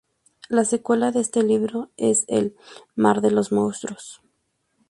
La secuela de este libro es El mar de los monstruos.